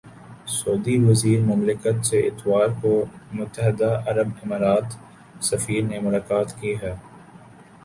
سعودی وزیر مملکت سے اتوار کو متحدہ عرب امارات سفیر نے ملاقات کی ہے